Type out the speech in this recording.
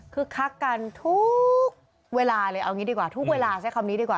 คือคักกันทุกเวลาเลยเอางี้ดีกว่าทุกเวลาใช้คำนี้ดีกว่า